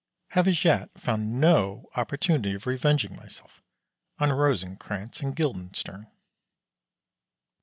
Have as yet found no opportunity of revenging myself on Rosencrantz and Guildenstern.